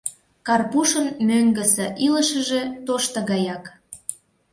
Карпушын мӧҥгысӧ илышыже тошто гаяк.